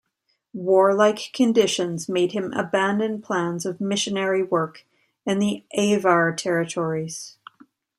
Warlike conditions made him abandon plans of missionary work in the Avar territories.